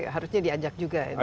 harusnya diajak juga ya